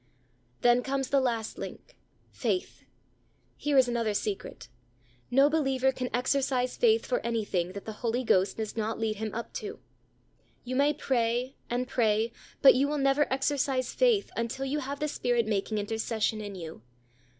Then comes the last link faith. Here is another secret. No believer can exercise faith for anything that the Holy Ghost does not lead him up to. You may pray, and pray, but you will never exercise faith until you have the Spirit making intercession in you.